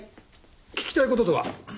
聞きたい事とは？